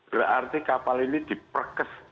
berarti kapal ini diperkes